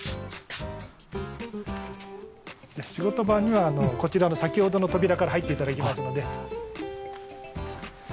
仕事場にはこちらの先ほどの扉から入って頂きますので。